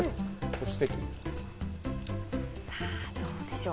さぁ、どうでしょう？